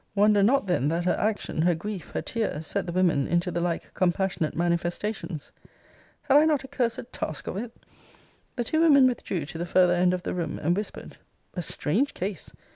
Wonder not then that her action, her grief, her tears, set the women into the like compassionate manifestations. Had I not a cursed task of it? The two women withdrew to the further end of the room, and whispered, a strange case!